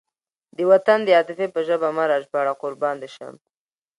د وطن د عاطفې په ژبه مه راژباړه قربان دې شم.